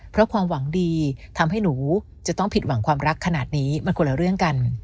เพราะความหวังดีทำให้หนูจะต้องผิดหวังความรักขนาดนี้มันคนละเรื่องกัน